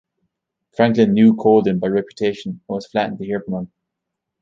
Franklin knew Colden by reputation and was flattered to hear from him.